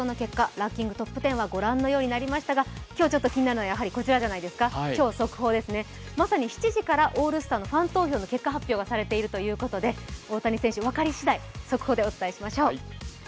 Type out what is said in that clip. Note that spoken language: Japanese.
ランキングトップ１０はご覧にようになりましたが、今日気になるのはこちらじゃないですか、超速報ですね、まさに７時からオールスターのファン投票の結果発表がされているということで大谷選手、分かり次第、速報でお伝えしましょう。